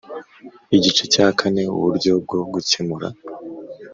Igice cya kane Uburyo bwo gukemura